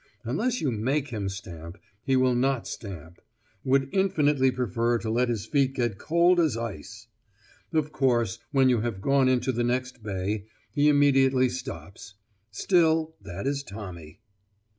Unless you make him stamp, he will not stamp; would infinitely prefer to let his feet get cold as ice. Of course, when you have gone into the next bay, he immediately stops. Still, that is Tommy.